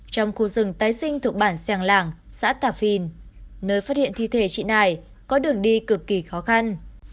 trong khu rừng tái sinh thuộc bản sàng lãng xã tạp phìn nơi phát hiện thi thể trị nải có đường đi cực kỳ khó khăn